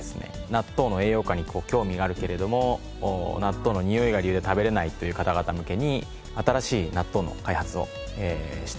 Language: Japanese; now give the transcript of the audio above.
納豆の栄養価に興味があるけれども納豆のにおいが理由で食べられないという方々向けに新しい納豆の開発をしております。